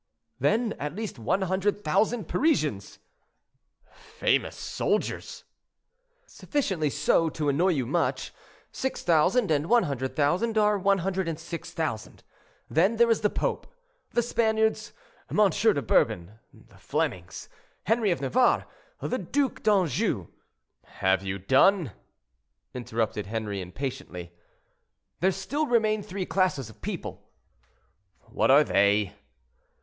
"Then, at least one hundred thousand Parisians." "Famous soldiers!" "Sufficiently so to annoy you much: 6,000 and 100,000 are 106,000; then there is the pope, the Spaniards, M. de Bourbon, the Flemings, Henry of Navarre, the Duc d'Anjou—" "Have you done?" interrupted Henri, impatiently. "There still remain three classes of people." "What are they?"